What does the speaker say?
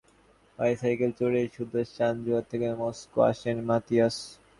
এবার রাশিয়া বিশ্বকাপে বাইসাইকেলে চড়েই সুদূর সান জুয়ান থেকে মস্কো আসেন মাতিয়াস।